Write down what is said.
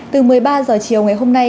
từ một mươi ba h chiều ngày hôm nay